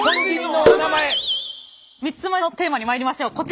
３つ目のテーマにまいりましょう。